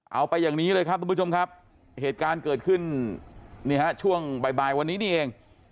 ไปอย่างนี้เลยครับทุกผู้ชมครับเหตุการณ์เกิดขึ้นนี่ฮะช่วงบ่ายวันนี้นี่เอง